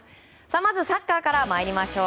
まずサッカーから参りましょう。